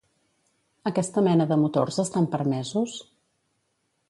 Aquesta mena de motors estan permesos?